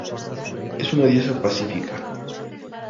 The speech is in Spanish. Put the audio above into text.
Es una diosa pacífica.